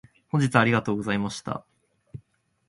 本日はありがとうございました。